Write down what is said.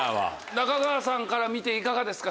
中川さんから見ていかがですか？